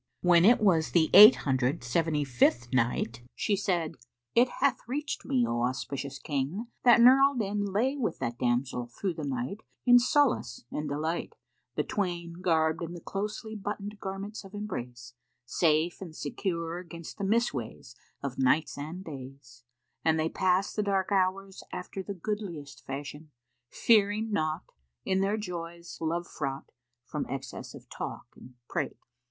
When it was the Eight Hundred and Seventy fifth Night, She said, It hath reached me, O auspicious King, that Nur al Din lay with that damsel through the night in solace and delight, the twain garbed in the closely buttoned garments of embrace, safe and secure against the misways of nights and days, and they passed the dark hours after the goodliest fashion, fearing naught, in their joys love fraught, from excess of talk and prate.